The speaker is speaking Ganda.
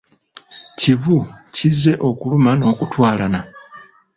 Kivu kizze okuluma n'okutwalana.